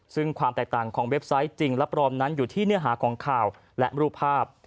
ซึ่งความแตกต่างของเว็บไซต์จริงและปลอมนั้นอยู่ที่เนื้อหาของข่าวและรูปภาพ